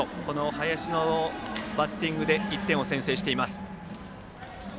林のバッティングで１点を先制しています。